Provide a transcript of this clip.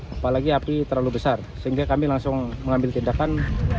apalagi api terlalu besar sehingga kami langsung mengambil tindakan